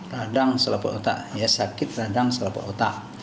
radang selaput otak ya sakit radang selaput otak